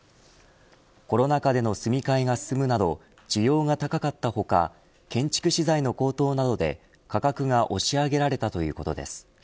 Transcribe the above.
コロナ禍での住み替えが進むなど需要が高かった他建築資材の高騰などで価格が押し上げられたということです。